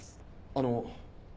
あの。